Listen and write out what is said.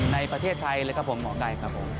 ในประเทศไทยเลยครับผมหมอไก่ครับผม